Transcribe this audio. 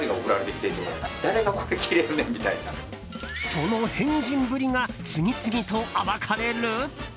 その変人ぶりが次々と暴かれる？